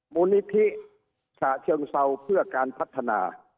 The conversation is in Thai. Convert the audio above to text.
บุณิธิฉะเชิงเศร้าเพื่อการพัฒนา